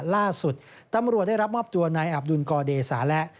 ล่าสุดตำรวจได้รับมอบตัวนายอับดุลกอเดสาและ